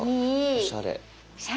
おしゃれ。